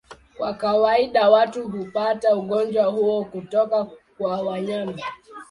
Kwa kawaida watu hupata ugonjwa huo kutoka kwa wanyama.